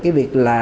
cái việc là